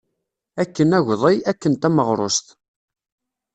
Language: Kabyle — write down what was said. Akken agḍi, akken tameɣrust.